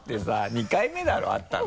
２回目だろ会ったの。